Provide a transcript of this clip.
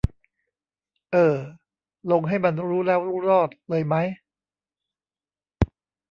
เออ ลง ให้มันรู้แล้วรู้รอดเลยมั้ย